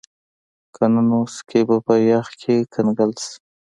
که نه نو سکي به په یخ کې کنګل شي